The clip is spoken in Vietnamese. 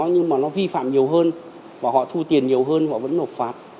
nhưng mà nó vi phạm nhiều hơn và họ thu tiền nhiều hơn họ vẫn nộp phạt